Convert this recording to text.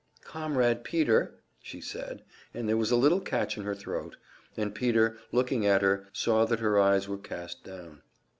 "Comrade Peter," she said, and there was a little catch in her throat, and Peter, looking at her, saw that her eyes were cast down.